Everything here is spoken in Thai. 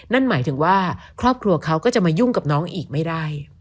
นั่นหมายถึงว่าครอบครัวเขาก็จะมายุ่งกับน้องอีกไม่ได้